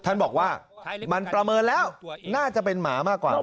ท่านบอกว่ามันประเมินแล้วน่าจะเป็นหมามากกว่า